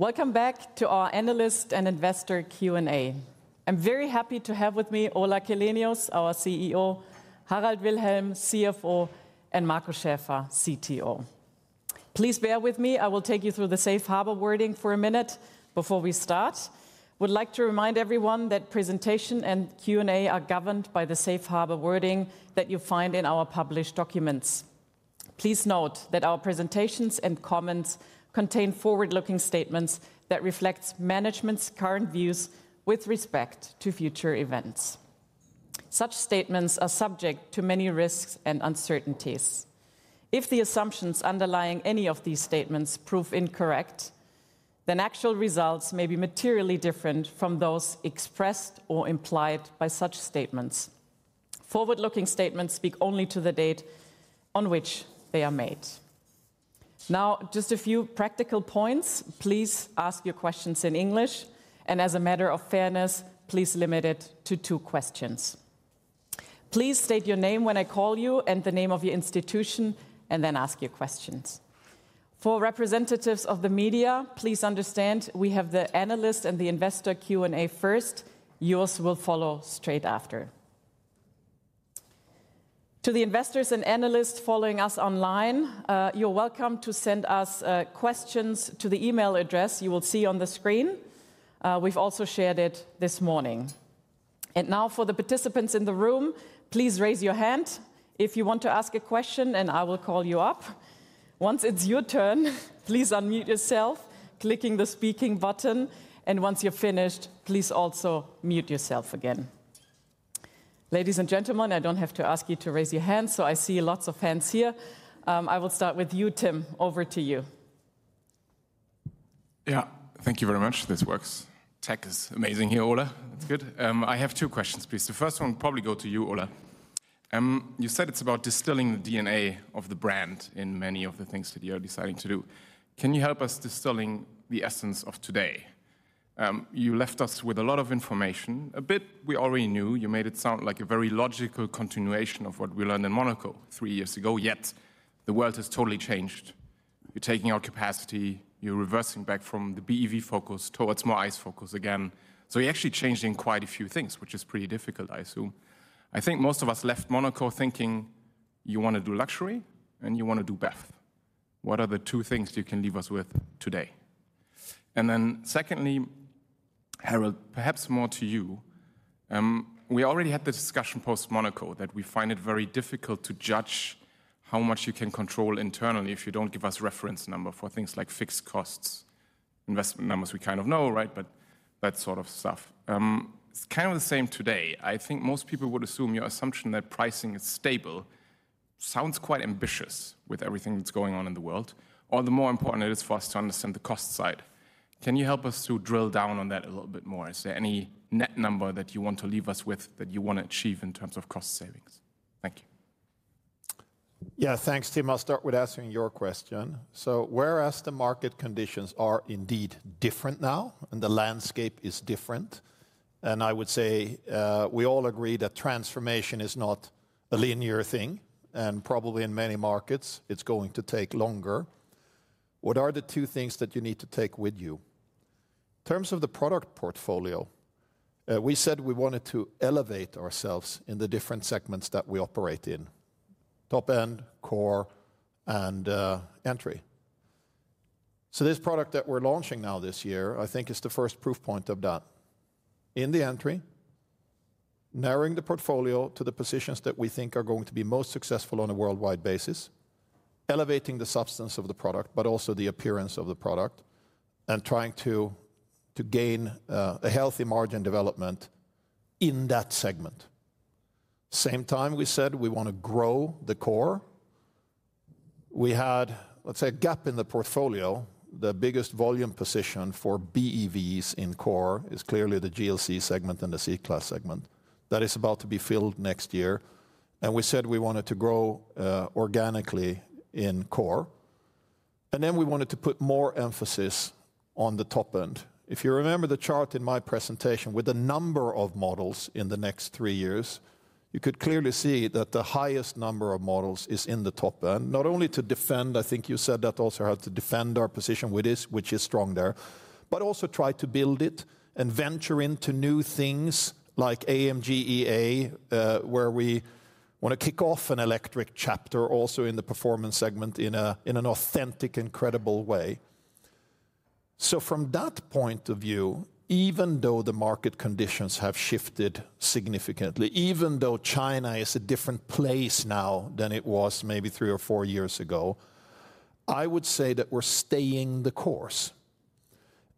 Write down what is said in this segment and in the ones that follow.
Welcome back to our Analyst and Investor Q&A. I'm very happy to have with me Ola Källenius, our CEO, Harald Wilhelm, CFO, and Markus Schäfer, CTO. Please bear with me. I will take you through the safe harbor wording for a minute before we start. I would like to remind everyone that presentation and Q&A are governed by the safe harbor wording that you find in our published documents. Please note that our presentations and comments contain forward-looking statements that reflect management's current views with respect to future events. Such statements are subject to many risks and uncertainties. If the assumptions underlying any of these statements prove incorrect, then actual results may be materially different from those expressed or implied by such statements. Forward-looking statements speak only to the date on which they are made. Now, just a few practical points. Please ask your questions in English, and as a matter of fairness, please limit it to two questions. Please state your name when I call you, and the name of your institution, and then ask your questions. For representatives of the media, please understand we have the analyst and investor Q&A first. Yours will follow straight after. To the investors and analysts following us online, you're welcome to send us questions to the email address you will see on the screen. We've also shared it this morning. And now, for the participants in the room, please raise your hand if you want to ask a question, and I will call you up. Once it's your turn, please unmute yourself, clicking the speaking button, and once you're finished, please also mute yourself again. Ladies and gentlemen, I don't have to ask you to raise your hands, so I see lots of hands here. I will start with you, Tim. Over to you. Yeah, thank you very much. This works. Tech is amazing here, Ola. It's good. I have two questions, please. The first one will probably go to you, Ola. You said it's about distilling the DNA of the brand in many of the things that you're deciding to do. Can you help us distilling the essence of today? You left us with a lot of information. A bit we already knew. You made it sound like a very logical continuation of what we learned in Monaco three years ago, yet the world has totally changed. You're taking our capacity. You're reversing back from the BEV focus towards more ICE focus again. So you're actually changing quite a few things, which is pretty difficult, I assume. I think most of us left Monaco thinking you want to do luxury and you want to do both. What are the two things you can leave us with today? And then secondly, Harald, perhaps more to you. We already had the discussion post-Monaco that we find it very difficult to judge how much you can control internally if you don't give us a reference number for things like fixed costs. Investment numbers we kind of know, right? But that sort of stuff. It's kind of the same today. I think most people would assume your assumption that pricing is stable sounds quite ambitious with everything that's going on in the world, or the more important it is for us to understand the cost side. Can you help us to drill down on that a little bit more? Is there any net number that you want to leave us with that you want to achieve in terms of cost savings? Thank you. Yeah, thanks, Tim. I'll start with asking your question. So whereas the market conditions are indeed different now and the landscape is different, and I would say we all agree that transformation is not a linear thing, and probably in many markets it's going to take longer, what are the two things that you need to take with you? In terms of the product portfolio, we said we wanted to elevate ourselves in the different segments that we operate in: top end, core, and entry. So this product that we're launching now this year, I think, is the first proof point of that. In the entry, narrowing the portfolio to the positions that we think are going to be most successful on a worldwide basis, elevating the substance of the product, but also the appearance of the product, and trying to gain a healthy margin development in that segment. At the same time, we said we want to grow the core. We had, let's say, a gap in the portfolio. The biggest volume position for BEVs in core is clearly the GLC segment and the C-Class segment. That is about to be filled next year. And we said we wanted to grow organically in core. And then we wanted to put more emphasis on the top end. If you remember the chart in my presentation with the number of models in the next three years, you could clearly see that the highest number of models is in the top end. Not only to defend, I think you said that also had to defend our position, which is strong there, but also try to build it and venture into new things like AMG EA, where we want to kick off an electric chapter also in the performance segment in an authentic, incredible way. So from that point of view, even though the market conditions have shifted significantly, even though China is a different place now than it was maybe three or four years ago, I would say that we're staying the course.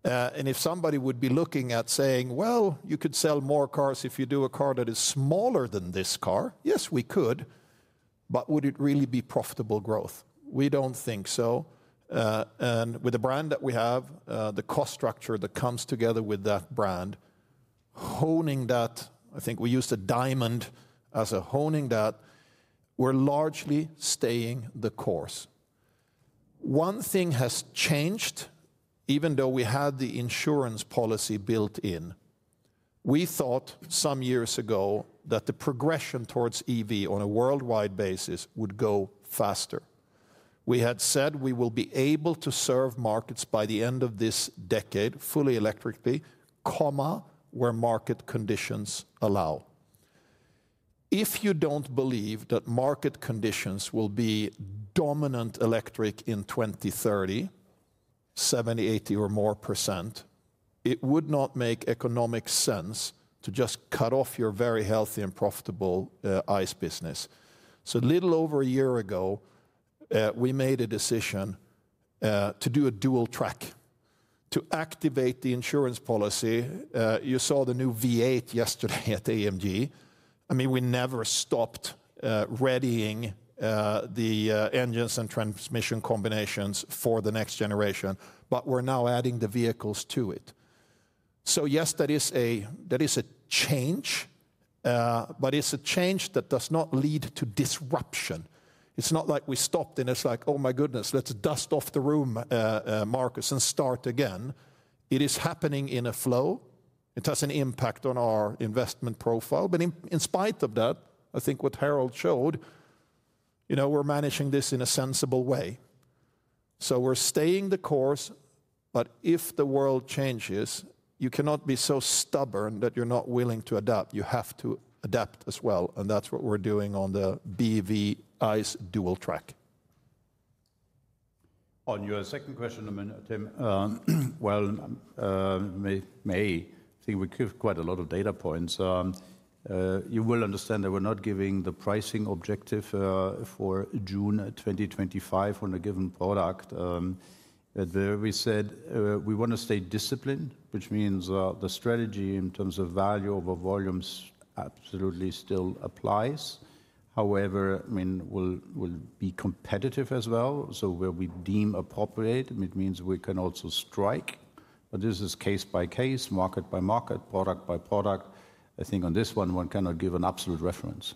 And if somebody would be looking at saying, well, you could sell more cars if you do a car that is smaller than this car, yes, we could, but would it really be profitable growth? We don't think so. With the brand that we have, the cost structure that comes together with that brand, honing that, I think we use the diamond as a honing that, we're largely staying the course. One thing has changed, even though we had the insurance policy built in. We thought some years ago that the progression towards EV on a worldwide basis would go faster. We had said we will be able to serve markets by the end of this decade fully electrically, where market conditions allow. If you don't believe that market conditions will be dominant electric in 2030, 70%, 80%, or more, it would not make economic sense to just cut off your very healthy and profitable ICE business. So a little over a year ago, we made a decision to do a dual track to activate the insurance policy. You saw the new V8 yesterday at AMG. I mean, we never stopped readying the engines and transmission combinations for the next generation, but we're now adding the vehicles to it. So yes, that is a change, but it's a change that does not lead to disruption. It's not like we stopped and it's like, oh my goodness, let's dust off the room, Markus, and start again. It is happening in a flow. It has an impact on our investment profile. But in spite of that, I think what Harald showed, you know, we're managing this in a sensible way. So we're staying the course, but if the world changes, you cannot be so stubborn that you're not willing to adapt. You have to adapt as well. And that's what we're doing on the BEV ICE dual track. On your second question, Tim, well, maybe we give quite a lot of data points. You will understand that we're not giving the pricing objective for June 2025 on a given product. There we said we want to stay disciplined, which means the strategy in terms of value over volumes absolutely still applies. However, I mean, we'll be competitive as well. So where we deem appropriate, it means we can also strike. But this is case by case, market by market, product by product. I think on this one, one cannot give an absolute reference.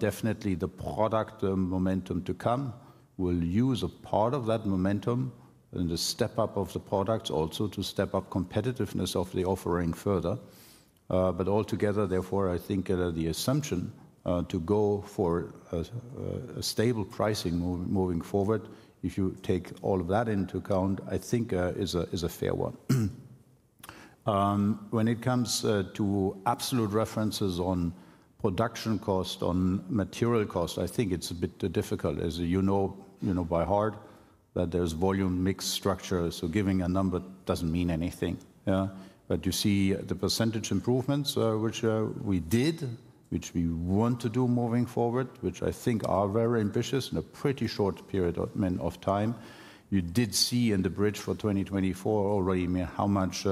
Definitely, the product momentum to come. We'll use a part of that momentum and the step up of the products also to step up competitiveness of the offering further. But altogether, therefore, I think the assumption to go for a stable pricing moving forward, if you take all of that into account, I think is a fair one. When it comes to absolute references on production cost, on material cost, I think it's a bit difficult. As you know by heart that there's volume mix structure, so giving a number doesn't mean anything. But you see the percentage improvements, which we did, which we want to do moving forward, which I think are very ambitious in a pretty short period of time. You did see in the bridge for 2024 already how much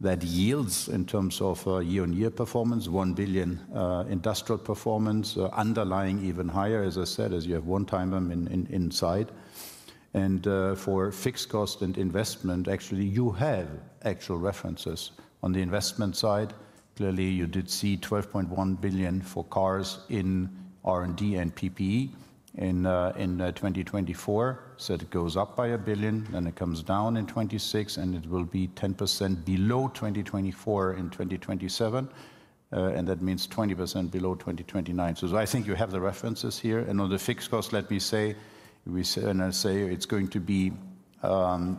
that yields in terms of year-on-year performance, 1 billion industrial performance, underlying even higher, as I said, as you have one time inside. And for fixed cost and investment, actually, you have actual references on the investment side. Clearly, you did see 12.1 billion for cars in R&D and PPE in 2024. So it goes up by 1 billion, then it comes down in 2026, and it will be 10% below 2024 in 2027. And that means 20% below 2029. So I think you have the references here. And on the fixed cost, let me say, and I say it's going to be more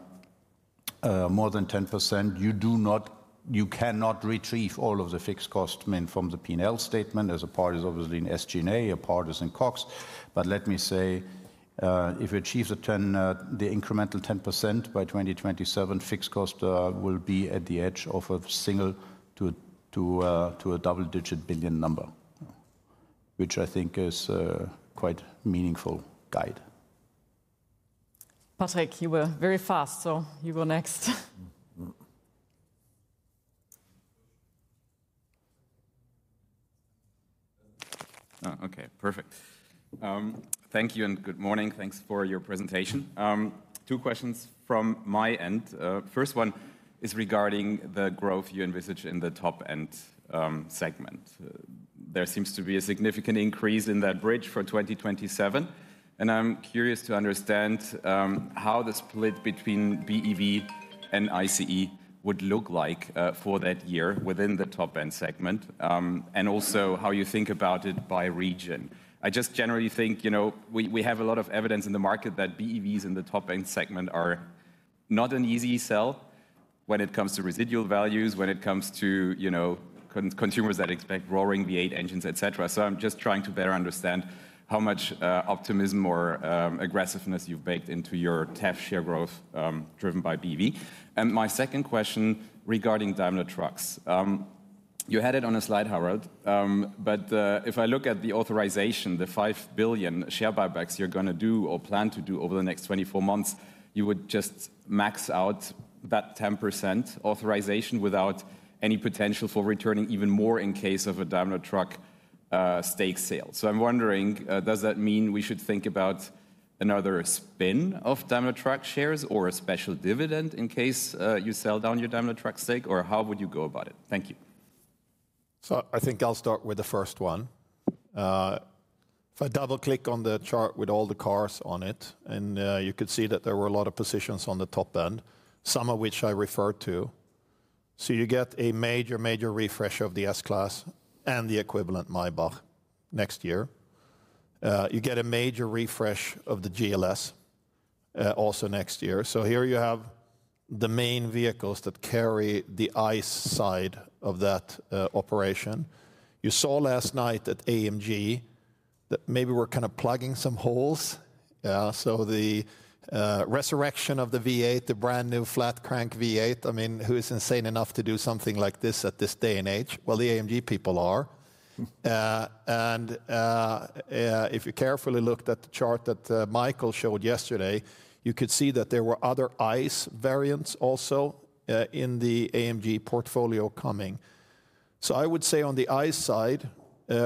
than 10%. You cannot retrieve all of the fixed cost from the P&L statement. There's a part is obviously in SG&A, a part is in COGS. But let me say, if you achieve the incremental 10% by 2027, fixed cost will be at the edge of a single- to double-digit billion number, which I think is quite a meaningful guide. Patrick, you were very fast, so you go next. Okay, perfect. Thank you and good morning. Thanks for your presentation. Two questions from my end. First one is regarding the growth you envisage in the top end segment. There seems to be a significant increase in that bridge for 2027. And I'm curious to understand how the split between BEV and ICE would look like for that year within the top end segment, and also how you think about it by region. I just generally think, you know, we have a lot of evidence in the market that BEVs in the top end segment are not an easy sell when it comes to residual values, when it comes to consumers that expect roaring V8 engines, et cetera. So I'm just trying to better understand how much optimism or aggressiveness you've baked into your TAS share growth driven by BEV. And my second question regarding Daimler Truck. You had it on a slide, Harald, but if I look at the authorization, the 5 billion share buybacks you're going to do or plan to do over the next 24 months, you would just max out that 10% authorization without any potential for returning even more in case of a Daimler Truck stake sale. So I'm wondering, does that mean we should think about another spin-off of Daimler Truck shares or a special dividend in case you sell down your Daimler Truck stake, or how would you go about it? Thank you. So I think I'll start with the first one. If I double-click on the chart with all the cars on it, and you could see that there were a lot of positions on the top end, some of which I referred to. So you get a major, major refresh of the S-Class and the equivalent Maybach next year. You get a major refresh of the GLS also next year. So here you have the main vehicles that carry the ICE side of that operation. You saw last night at AMG that maybe we're kind of plugging some holes. So the resurrection of the V8, the brand new flat crank V8, I mean, who is insane enough to do something like this at this day and age? Well, the AMG people are. If you carefully looked at the chart that Michael showed yesterday, you could see that there were other ICE variants also in the AMG portfolio coming. So I would say on the ICE side,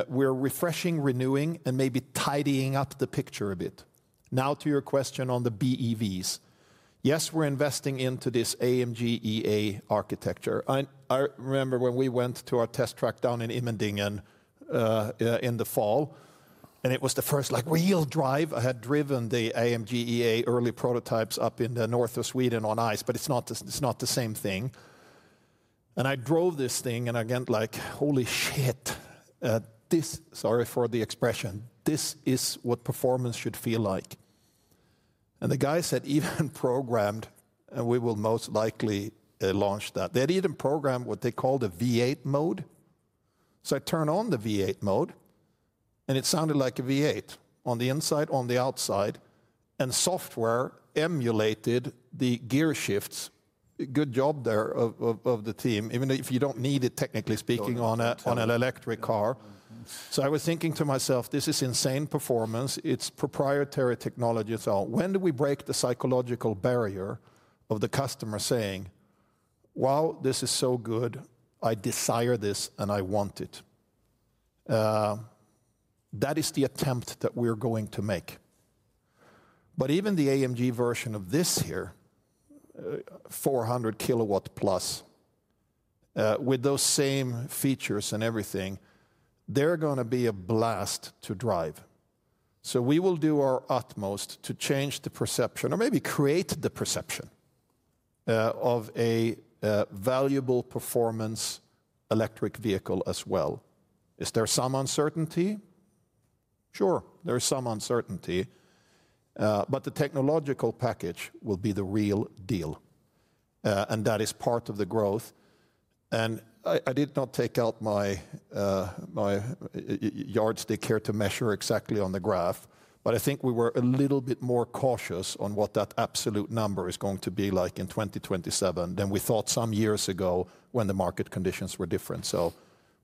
we're refreshing, renewing, and maybe tidying up the picture a bit. Now, to your question on the BEVs. Yes, we're investing into this AMG EA architecture. I remember when we went to our test track down in Immendingen in the fall, and it was the first, like, wheel drive. I had driven the AMG EA early prototypes up in the north of Sweden on ICE, but it's not the same thing. And I drove this thing and I got, like, holy shit, this, sorry for the expression, this is what performance should feel like. And the guy said even programmed, and we will most likely launch that. They had even programmed what they called a V8 mode. So I turned on the V8 mode, and it sounded like a V8 on the inside, on the outside, and software emulated the gear shifts. Good job there of the team, even if you don't need it, technically speaking, on an electric car. So I was thinking to myself, this is insane performance. It's proprietary technology. So when do we break the psychological barrier of the customer saying, wow, this is so good, I desire this and I want it? That is the attempt that we're going to make. But even the AMG version of this here, 400 kilowatt plus, with those same features and everything, they're going to be a blast to drive. So we will do our utmost to change the perception or maybe create the perception of a valuable performance electric vehicle as well. Is there some uncertainty? Sure, there is some uncertainty, but the technological package will be the real deal, and that is part of the growth and I did not take out my yardstick here to measure exactly on the graph, but I think we were a little bit more cautious on what that absolute number is going to be like in 2027 than we thought some years ago when the market conditions were different, so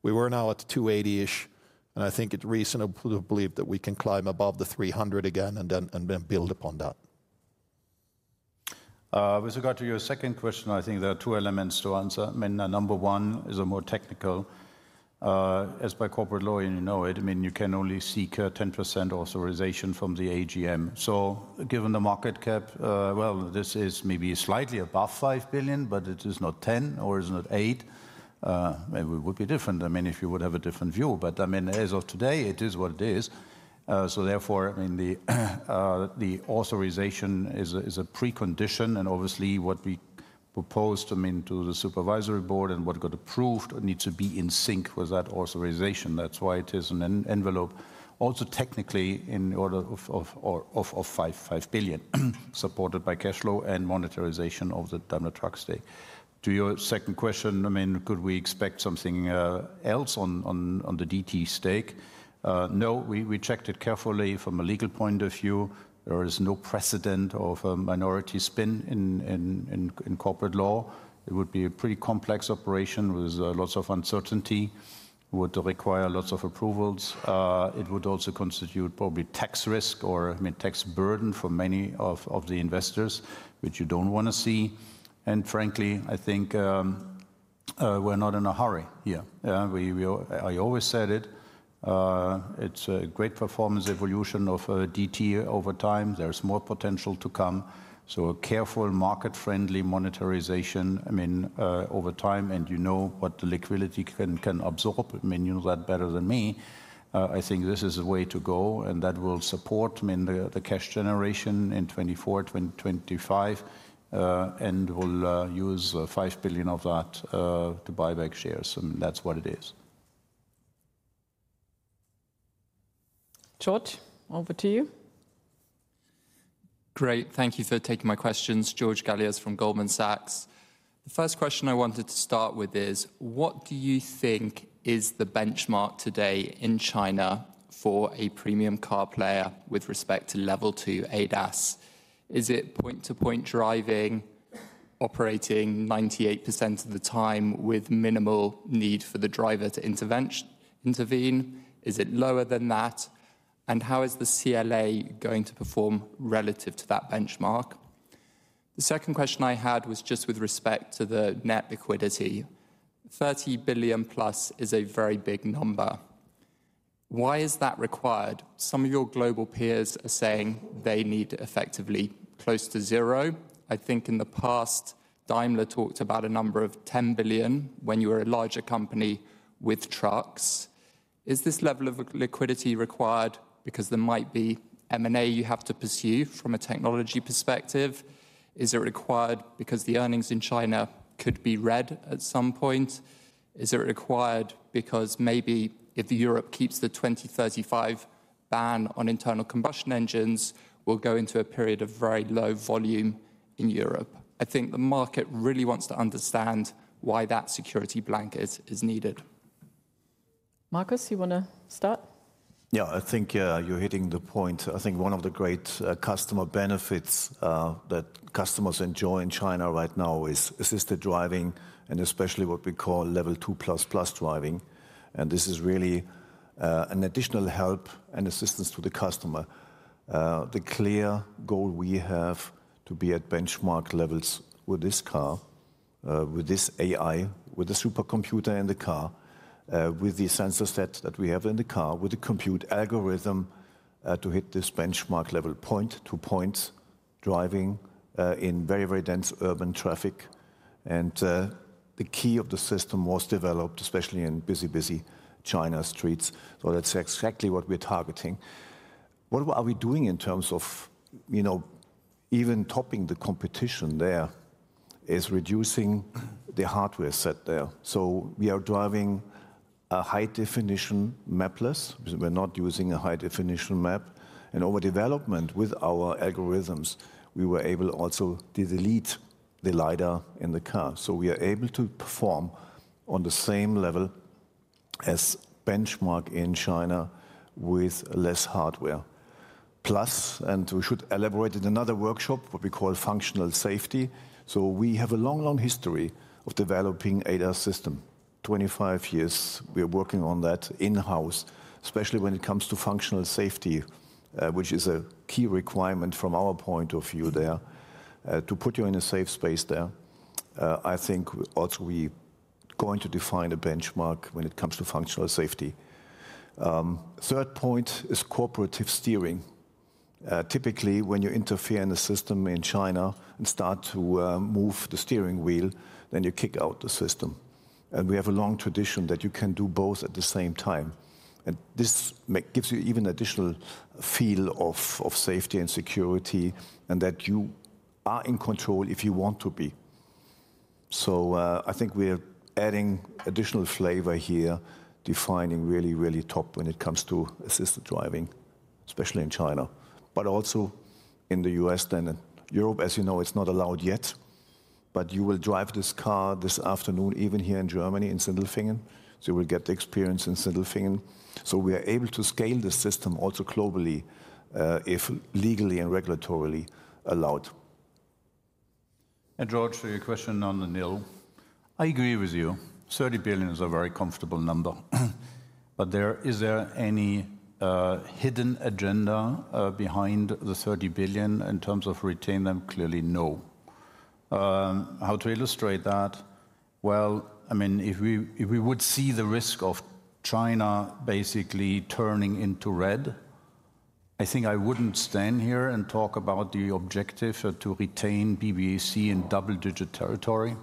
we were now at 280-ish, and I think it's reasonable to believe that we can climb above the 300 again and then build upon that. With regard to your second question, I think there are two elements to answer. I mean, number one is a more technical. As by corporate law, you know it. I mean, you can only seek a 10% authorization from the AGM. So given the market cap, well, this is maybe slightly above 5 billion, but it is not 10% or is not 8%. It would be different. I mean, if you would have a different view. But I mean, as of today, it is what it is. So therefore, I mean, the authorization is a precondition. And obviously, what we proposed, I mean, to the supervisory board and what got approved needs to be in sync with that authorization. That's why it is an envelope also technically in order of 5 billion supported by cash flow and monetization of the Daimler Truck stake. To your second question, I mean, could we expect something else on the DT stake? No, we checked it carefully from a legal point of view. There is no precedent of a minority spin in corporate law. It would be a pretty complex operation with lots of uncertainty. It would require lots of approvals. It would also constitute probably tax risk or tax burden for many of the investors, which you don't want to see. And frankly, I think we're not in a hurry here. I always said it. It's a great performance evolution of DT over time. There's more potential to come. So careful, market-friendly monetization, I mean, over time. And you know what the liquidity can absorb. I mean, you know that better than me. I think this is the way to go, and that will support, I mean, the cash generation in 2024, 2025, and will use 5 billion of that to buy back shares. I mean, that's what it is. George, over to you. Great. Thank you for taking my questions. George Galliers from Goldman Sachs. The first question I wanted to start with is, what do you think is the benchmark today in China for a premium car player with respect to Level 2 ADAS? Is it point-to-point driving, operating 98% of the time with minimal need for the driver to intervene? Is it lower than that? And how is the CLA going to perform relative to that benchmark? The second question I had was just with respect to the net liquidity. 30 billion plus is a very big number. Why is that required? Some of your global peers are saying they need effectively close to zero. I think in the past, Daimler talked about a number of 10 billion when you were a larger company with trucks. Is this level of liquidity required because there might be M&A you have to pursue from a technology perspective? Is it required because the earnings in China could be red at some point? Is it required because maybe if Europe keeps the 2035 ban on internal combustion engines, we'll go into a period of very low volume in Europe? I think the market really wants to understand why that security blanket is needed. Markus, you want to start? Yeah, I think you're hitting the point. I think one of the great customer benefits that customers enjoy in China right now is assisted driving and especially what we call Level 2++ driving, and this is really an additional help and assistance to the customer. The clear goal we have to be at benchmark levels with this car, with this AI, with the supercomputer in the car, with the sensor set that we have in the car, with the compute algorithm to hit this benchmark level point-to-point driving in very, very dense urban traffic, and the key of the system was developed, especially in busy, busy China streets, so that's exactly what we're targeting. What are we doing in terms of, you know, even topping the competition there is reducing the hardware set there, so we are driving a high-definition map-less. We're not using a high-definition map. And in development with our algorithms, we were able also to delete the LiDAR in the car. So we are able to perform on the same level as benchmark in China with less hardware. Plus, and we should elaborate in another workshop, what we call functional safety. So we have a long, long history of developing ADAS system. 25 years, we are working on that in-house, especially when it comes to functional safety, which is a key requirement from our point of view there to put you in a safe space there. I think also we are going to define a benchmark when it comes to functional safety. Third point is cooperative steering. Typically, when you interfere in the system in China and start to move the steering wheel, then you kick out the system. And we have a long tradition that you can do both at the same time. This gives you even additional feel of safety and security and that you are in control if you want to be. So I think we're adding additional flavor here, defining really, really top when it comes to assisted driving, especially in China, but also in the U.S. and Europe. As you know, it's not allowed yet, but you will drive this car this afternoon even here in Germany in Sindelfingen. So you will get the experience in Sindelfingen. So we are able to scale the system also globally if legally and regulatorily allowed. And George, your question on the NIL. I agree with you. 30 billion is a very comfortable number. But is there any hidden agenda behind the 30 billion in terms of retaining them? Clearly, no. How to illustrate that? I mean, if we would see the risk of China basically turning into red, I think I wouldn't stand here and talk about the objective to retain BBAC in double-digit territory.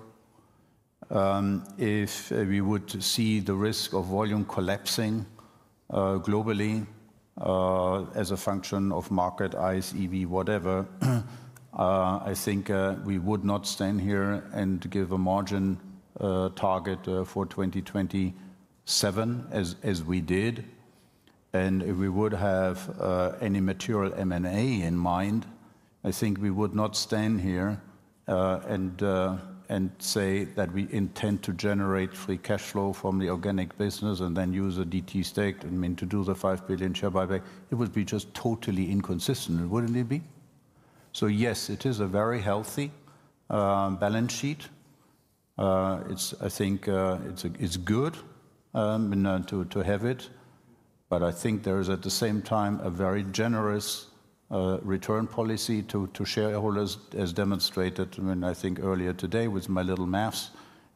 If we would see the risk of volume collapsing globally as a function of market, ICE, whatever, I think we would not stand here and give a margin target for 2027 as we did, and if we would have any material M&A in mind, I think we would not stand here and say that we intend to generate free cash flow from the organic business and then use a DT stake to do the 5 billion share buyback. It would be just totally inconsistent. Wouldn't it be? Yes, it is a very healthy balance sheet. I think it's good to have it. But I think there is at the same time a very generous return policy to shareholders as demonstrated when I think earlier today with my little math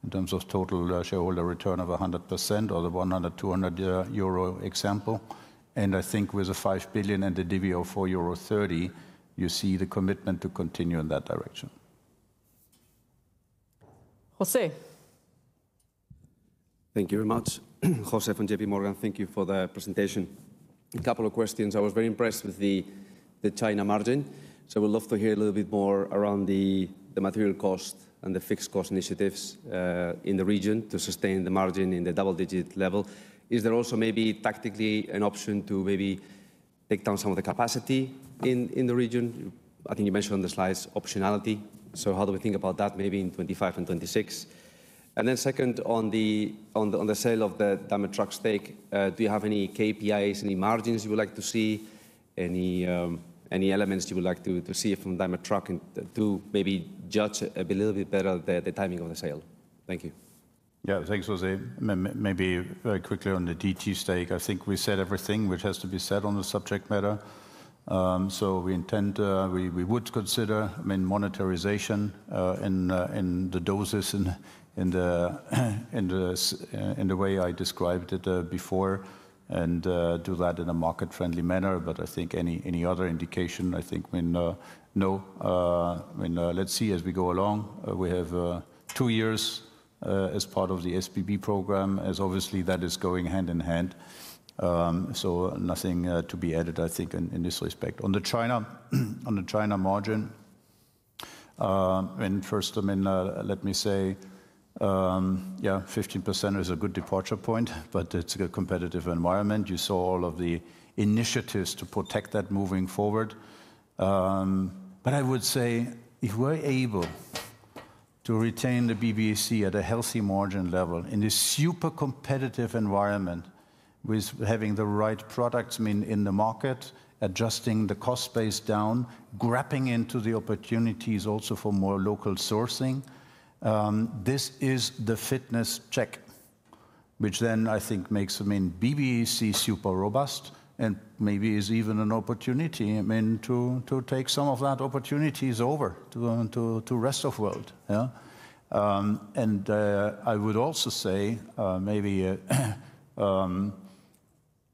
in terms of total shareholder return of 100% or the 100-200 euro example, and I think with the 5 billion and the DVO for 30, you see the commitment to continue in that direction. José. Thank you very much. José from JPMorgan, thank you for the presentation. A couple of questions. I was very impressed with the China margin. So I would love to hear a little bit more around the material cost and the fixed cost initiatives in the region to sustain the margin in the double-digit level. Is there also maybe tactically an option to maybe take down some of the capacity in the region? I think you mentioned on the slides optionality. So how do we think about that maybe in 2025 and 2026? And then second, on the sale of the Daimler Truck stake, do you have any KPIs, any margins you would like to see, any elements you would like to see from Daimler Truck to maybe judge a little bit better the timing of the sale? Thank you. Yeah, thanks, José. Maybe very quickly on the DT stake, I think we said everything which has to be said on the subject matter. So we intend, we would consider monetization in the doses in the way I described it before and do that in a market-friendly manner. But I think any other indication, I think when no, let's see as we go along. We have two years as part of the SBB program, as obviously that is going hand in hand. So nothing to be added, I think, in this respect. On the China margin, when first, I mean, let me say, yeah, 15% is a good departure point, but it's a competitive environment. You saw all of the initiatives to protect that moving forward. But I would say if we're able to retain the BBAC at a healthy margin level in this super competitive environment with having the right products in the market, adjusting the cost base down, grabbing into the opportunities also for more local sourcing, this is the fitness check, which then I think makes, I mean, BBAC super robust and maybe is even an opportunity, I mean, to take some of that opportunities over to rest of world. And I would also say maybe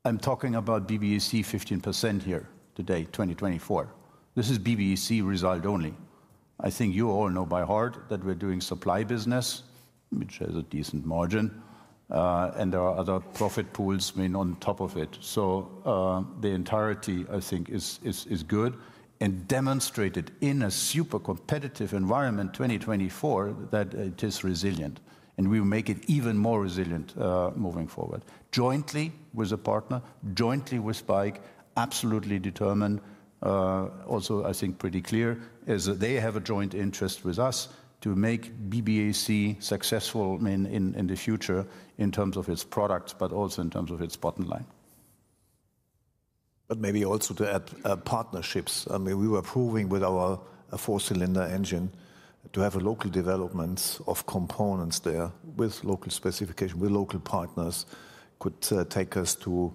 I'm talking about BBAC 15% here today, 2024. This is BBAC result only. I think you all know by heart that we're doing supply business, which has a decent margin, and there are other profit pools on top of it. So the entirety, I think, is good and demonstrated in a super competitive environment, 2024, that it is resilient and we will make it even more resilient moving forward. Jointly with a partner, jointly with BAIC, absolutely determined. Also, I think pretty clear is that they have a joint interest with us to make BBAC successful in the future in terms of its products, but also in terms of its bottom line. But maybe also to add partnerships. I mean, we were proving with our four-cylinder engine to have a local development of components there with local specification, with local partners could take us to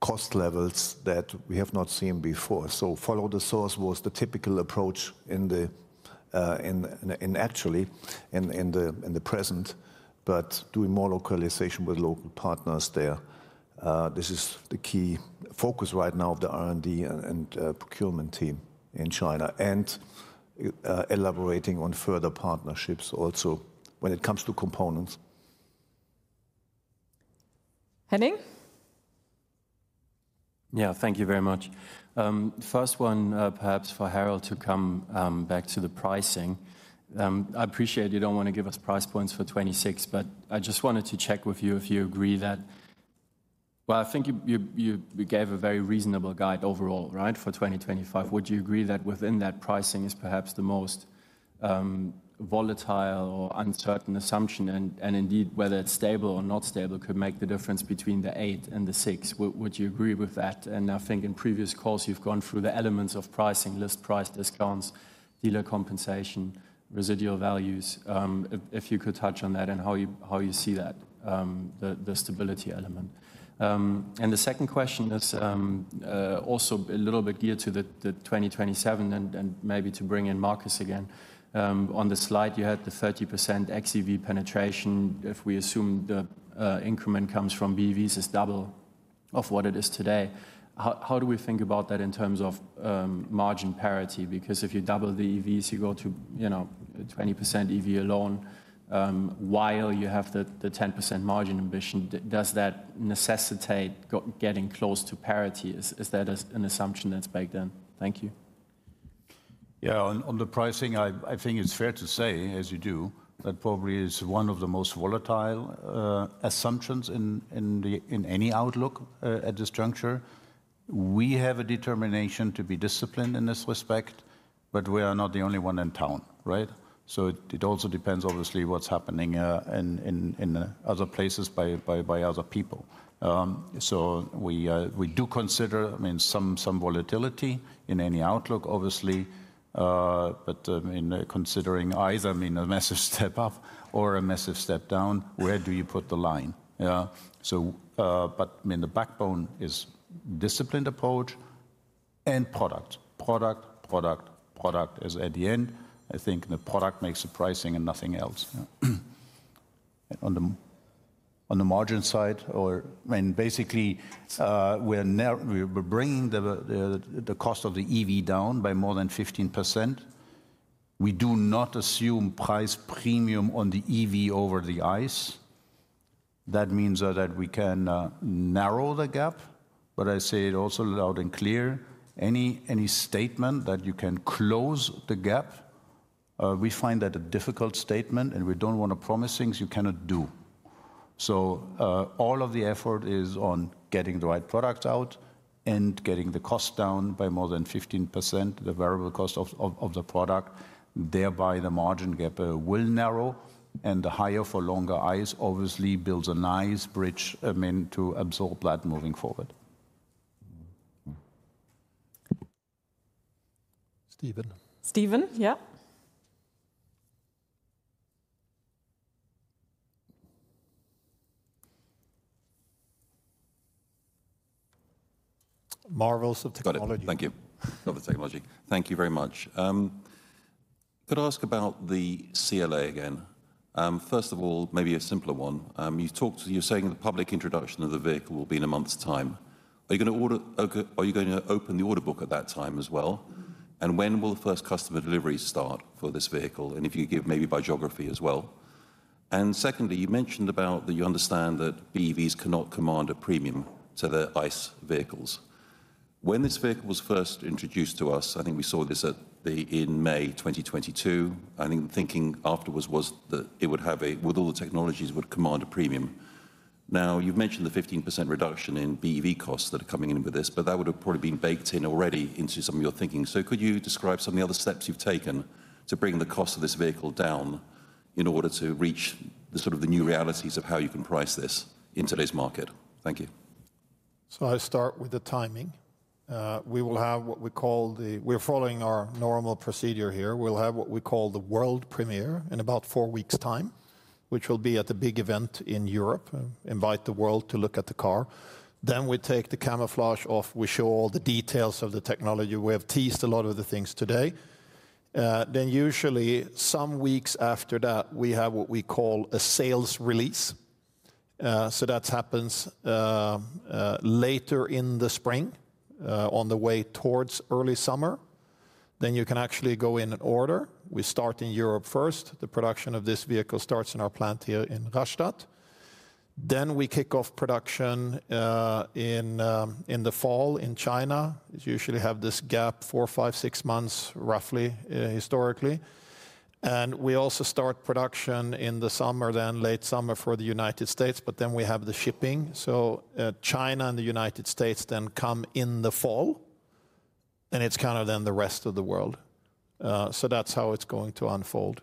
cost levels that we have not seen before. So follow the source was the typical approach in the past. Actually, in the present, but doing more localization with local partners there. This is the key focus right now of the R&D and procurement team in China and elaborating on further partnerships also when it comes to components. Henning. Yeah, thank you very much. First one, perhaps for Harald to come back to the pricing. I appreciate you don't want to give us price points for 2026, but I just wanted to check with you if you agree that, well, I think you gave a very reasonable guide overall, right, for 2025. Would you agree that within that pricing is perhaps the most volatile or uncertain assumption? And indeed, whether it's stable or not stable could make the difference between the eight and the six. Would you agree with that? And I think in previous calls, you've gone through the elements of pricing, list price, discounts, dealer compensation, residual values, if you could touch on that and how you see that, the stability element. And the second question is also a little bit geared to the 2027 and maybe to bring in Markus again. On the slide, you had the 30% XEV penetration. If we assume the increment comes from BEVs is double of what it is today, how do we think about that in terms of margin parity? Because if you double the EVs, you go to 20% EV alone while you have the 10% margin ambition, does that necessitate getting close to parity? Is that an assumption that's baked in? Thank you. Yeah, on the pricing, I think it's fair to say, as you do, that probably is one of the most volatile assumptions in any outlook at this juncture. We have a determination to be disciplined in this respect, but we are not the only one in town, right? So it also depends obviously what's happening in other places by other people. So we do consider some volatility in any outlook, obviously, but considering either a massive step up or a massive step down, where do you put the line? But the backbone is disciplined approach and product, product, product, product is at the end. I think the product makes the pricing and nothing else. On the margin side or basically we're bringing the cost of the EV down by more than 15%. We do not assume price premium on the EV over the ICE. That means that we can narrow the gap, but I say it also loud and clear. Any statement that you can close the gap, we find that a difficult statement and we don't want to promise things you cannot do. So all of the effort is on getting the right product out and getting the cost down by more than 15%, the variable cost of the product. Thereby, the margin gap will narrow and the higher for longer ICE obviously builds a nice bridge to absorb that moving forward. Stephen. Stephen, yeah. Thank you. Of the technology. Thank you very much. Could I ask about the CLA again? First of all, maybe a simpler one. You're saying the public introduction of the vehicle will be in a month's time. Are you going to open the order book at that time as well? And when will the first customer deliveries start for this vehicle? And if you could give maybe by geography as well. And secondly, you mentioned about that you understand that BEVs cannot command a premium to the ICE vehicles. When this vehicle was first introduced to us, I think we saw this in May 2022. I think the thinking afterwards was that it would have a, with all the technologies would command a premium. Now, you've mentioned the 15% reduction in BEV costs that are coming in with this, but that would have probably been baked in already into some of your thinking. So could you describe some of the other steps you've taken to bring the cost of this vehicle down in order to reach the sort of the new realities of how you can price this in today's market? Thank you. I start with the timing. We will have what we call the; we're following our normal procedure here. We'll have what we call the world premiere in about four weeks' time, which will be at the big event in Europe, invite the world to look at the car. Then we take the camouflage off. We show all the details of the technology. We have teased a lot of the things today. Then usually some weeks after that, we have what we call a sales release. So that happens later in the spring on the way towards early summer. Then you can actually go in and order. We start in Europe first. The production of this vehicle starts in our plant here in Rastatt. Then we kick off production in the fall in China. You usually have this gap four, five, six months roughly historically. And we also start production in the summer then, late summer for the United States, but then we have the shipping. So China and the United States then come in the fall and it's kind of then the rest of the world. So that's how it's going to unfold.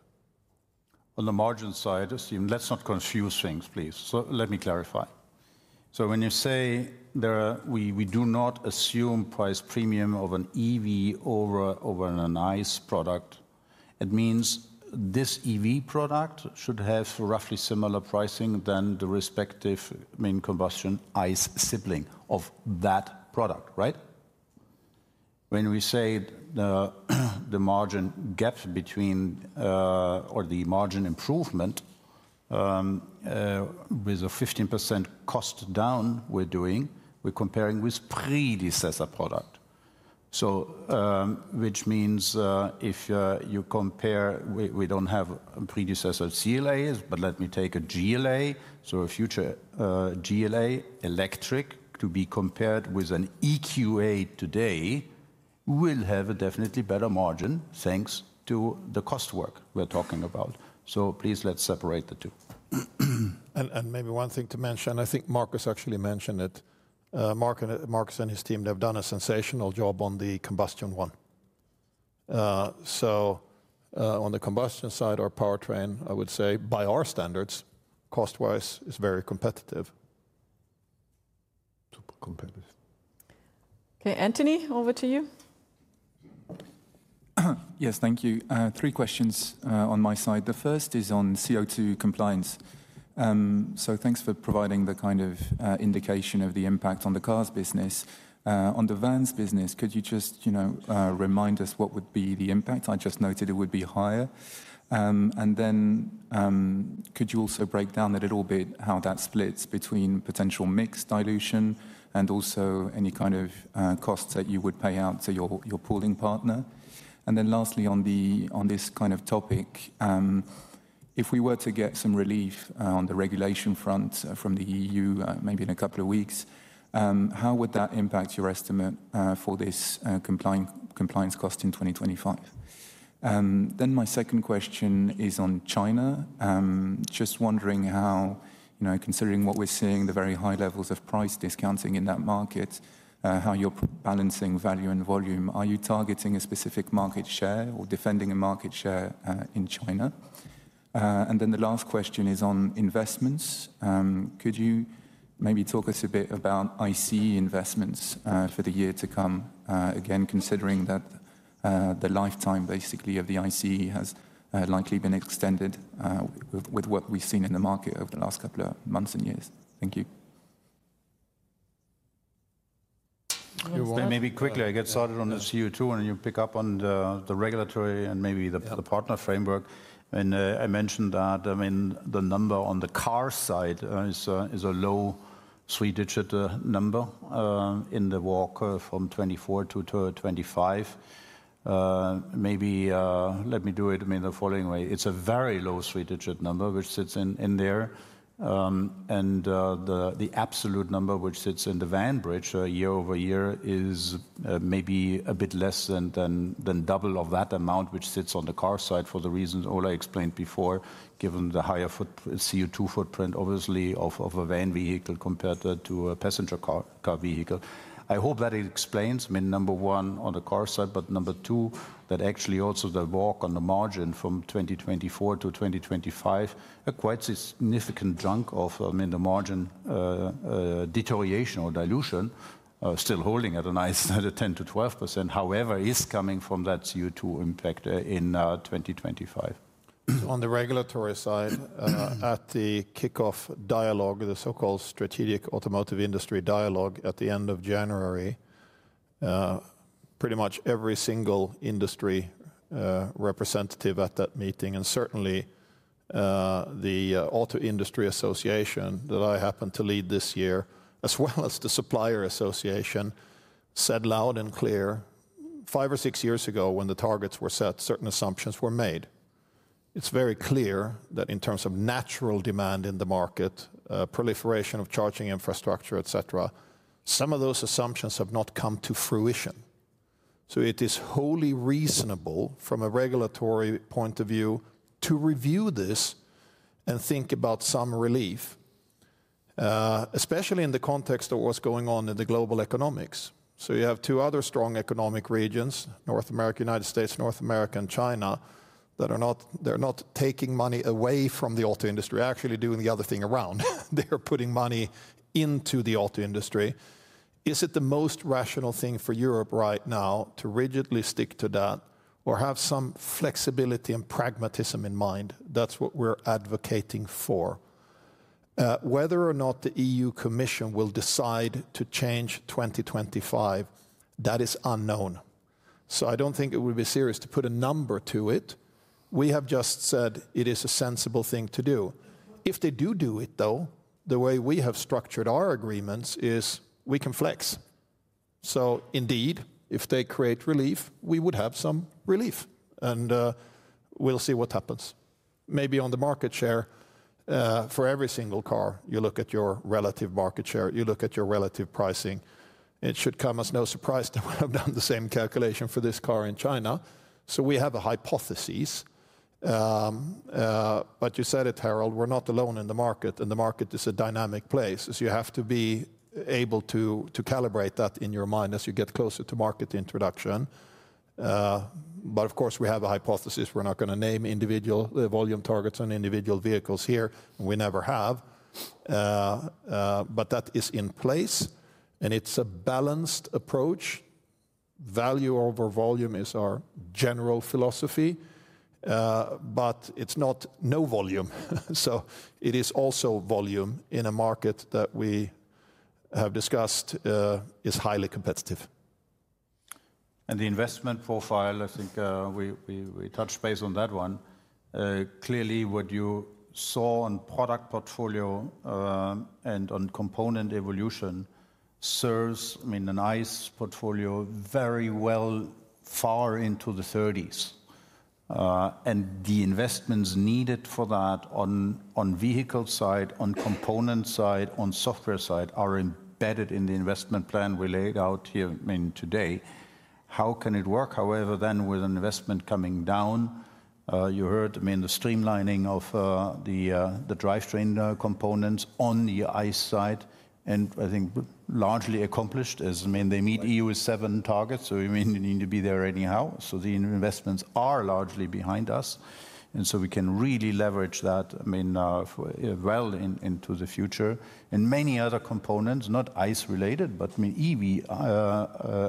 On the margin side, let's not confuse things, please. So let me clarify. So when you say we do not assume price premium of an EV over an ICE product, it means this EV product should have roughly similar pricing than the respective main combustion ICE sibling of that product, right? When we say the margin gap between or the margin improvement with a 15% cost down we're doing, we're comparing with predecessor product. So which means if you compare, we don't have predecessor CLAs, but let me take a GLA. So a future GLA electric to be compared with an EQA today will have a definitely better margin thanks to the cost work we're talking about. So please let's separate the two. And maybe one thing to mention, I think Markus actually mentioned it. Markus and his team, they've done a sensational job on the combustion one. So on the combustion side, our powertrain, I would say by our standards, cost-wise is very competitive. Super competitive. Okay, Anthony, over to you. Yes, thank you. Three questions on my side. The first is on CO2 compliance. So thanks for providing the kind of indication of the impact on the cars business. On the vans business, could you just remind us what would be the impact? I just noted it would be higher. And then could you also break down a little bit how that splits between potential mixed dilution and also any kind of costs that you would pay out to your pooling partner? And then lastly, on this kind of topic, if we were to get some relief on the regulation front from the EU maybe in a couple of weeks, how would that impact your estimate for this compliance cost in 2025? Then my second question is on China. Just wondering how, considering what we're seeing, the very high levels of price discounting in that market, how you're balancing value and volume. Are you targeting a specific market share or defending a market share in China? And then the last question is on investments. Could you maybe talk us a bit about ICE investments for the year to come? Again, considering that the lifetime basically of the ICE has likely been extended with what we've seen in the market over the last couple of months and years. Thank you. Maybe quickly, I get started on the CO2 and you pick up on the regulatory and maybe the partner framework. And I mentioned that, I mean, the number on the car side is a low three-digit number in the walk from 2024 to 2025. Maybe let me do it in the following way. It's a very low three-digit number which sits in there. And the absolute number which sits in the van business year over year is maybe a bit less than double of that amount which sits on the car side for the reasons Ola explained before, given the higher CO2 footprint obviously of a van vehicle compared to a passenger car vehicle. I hope that explains, I mean, number one on the car side, but number two, that actually also the walk on the margin from 2024 to 2025, a quite significant chunk of the margin deterioration or dilution still holding at a nice 10%-12%, however, is coming from that CO2 impact in 2025. On the regulatory side, at the kickoff dialogue, the so-called strategic automotive industry dialogue at the end of January, pretty much every single industry representative at that meeting, and certainly the auto industry association that I happen to lead this year, as well as the supplier association, said loud and clear, five or six years ago when the targets were set, certain assumptions were made. It's very clear that in terms of natural demand in the market, proliferation of charging infrastructure, et cetera, some of those assumptions have not come to fruition, so it is wholly reasonable from a regulatory point of view to review this and think about some relief, especially in the context of what's going on in the global economy. So you have two other strong economic regions, North America, United States, North America and China, that are not taking money away from the auto industry, actually doing the other thing around. They are putting money into the auto industry. Is it the most rational thing for Europe right now to rigidly stick to that or have some flexibility and pragmatism in mind? That's what we're advocating for. Whether or not the EU Commission will decide to change 2025, that is unknown. So I don't think it would be serious to put a number to it. We have just said it is a sensible thing to do. If they do do it though, the way we have structured our agreements is we can flex. So indeed, if they create relief, we would have some relief and we'll see what happens. Maybe on the market share for every single car, you look at your relative market share, you look at your relative pricing. It should come as no surprise that we have done the same calculation for this car in China. So we have a hypothesis. But you said it, Harald, we're not alone in the market and the market is a dynamic place. You have to be able to calibrate that in your mind as you get closer to market introduction. But of course, we have a hypothesis. We're not going to name individual volume targets on individual vehicles here. We never have. But that is in place and it's a balanced approach. Value over volume is our general philosophy, but it's not no volume. So it is also volume in a market that we have discussed is highly competitive. The investment profile, I think we touched base on that one. Clearly, what you saw on product portfolio and on component evolution serves an ICE portfolio very well far into the '30s. The investments needed for that on vehicle side, on component side, on software side are embedded in the investment plan we laid out here today. How can it work? However, then with an investment coming down, you heard the streamlining of the drivetrain components on the ICE side and I think largely accomplished as they meet Euro 7 targets. So you need to be there anyhow. So the investments are largely behind us. We can really leverage that well into the future. Many other components, not ICE related, but EV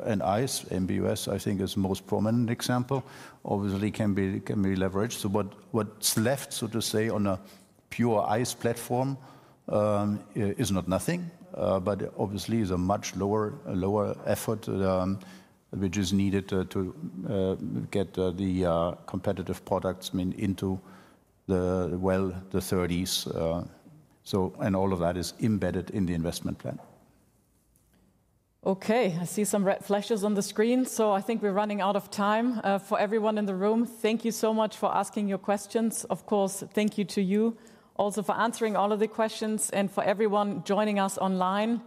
and ICE, MB.OS I think is the most prominent example, obviously can be leveraged. So what's left, so to say, on a pure ICE platform is not nothing, but obviously is a much lower effort which is needed to get the competitive products into the, well, the '30s. And all of that is embedded in the investment plan. Okay, I see some red flashes on the screen. So I think we're running out of time for everyone in the room. Thank you so much for asking your questions. Of course, thank you to you also for answering all of the questions and for everyone joining us online.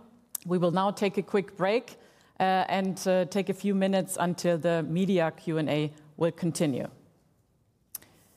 We will now take a quick break and take a few minutes until the media Q&A will continue.